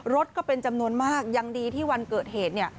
รถก็เป็นจำนวนมากยังดีที่วันเกิดเหตุเนี่ย